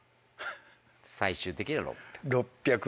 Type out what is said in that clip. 最終的には６００。